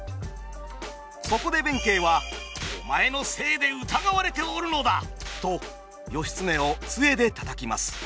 そこで弁慶は「お前のせいで疑われておるのだ！」と義経を杖で叩きます。